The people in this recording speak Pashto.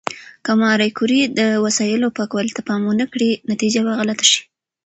که ماري کوري د وسایلو پاکوالي ته پام ونه کړي، نتیجه به غلطه شي.